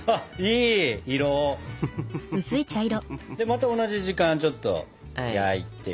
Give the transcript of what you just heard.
また同じ時間ちょっと焼いて。